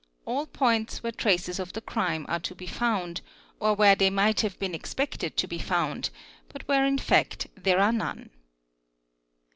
all points where traces of the crime are to be found or where © they might have been expected to be found, but where in fact there are none.